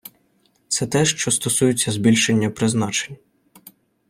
Це те, що стосується збільшення призначень.